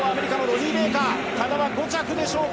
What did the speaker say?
多田は５着でしょうか。